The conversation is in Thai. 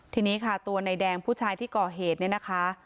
ทีนี้ค่ะตัวนายแดงผู้ชายที่ก่อเหตุเนี่ยนะคะ